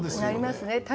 なりますね。